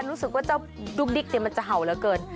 รู้สึกว่าเจ้าดุ๊กดิ๊กมันจะเห่าเหลือเกิน